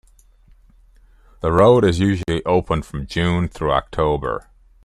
The road is usually open from June through October.